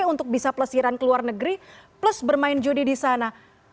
untuk bisa pelesiran ke luar negeri plus bermain judi di sana